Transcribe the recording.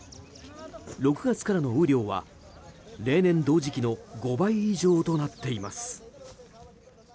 ６月からの雨量は例年同時期の５倍以上となっています。